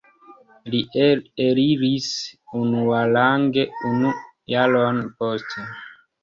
Li eliris unuarange unu jaron poste.